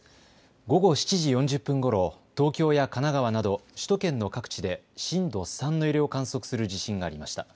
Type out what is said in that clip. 午後７時４０分ごろ東京や神奈川など首都圏の各地で震度３の揺れを観測する地震がありました。